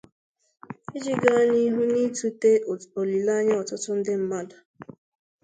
iji gaa n'ihu n'itute olileanya ọtụtụ ndị mmadụ